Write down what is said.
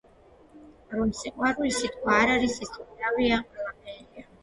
რომ სიყვარული სიტყვა არ არის, ის უკვდავია, ყველაფერია